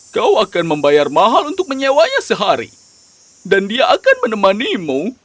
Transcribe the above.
kau akan membayar mahal untuk menyewanya sehari dan dia akan menemanimu